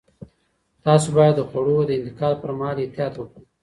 تاسو باید د خوړو د انتقال پر مهال احتیاط وکړئ.